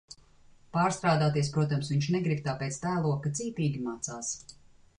Pārstrādāties, protams, viņš negrib, tāpēc tēlo, ka cītīgi mācās.